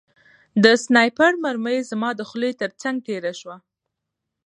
د سنایپر مرمۍ زما د خولۍ ترڅنګ تېره شوه